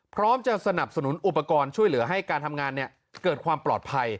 พร้อมจะสนับสนุนอุปกรณ์ช่วยเหลือให้การทำงานเกิดความปลอดภัย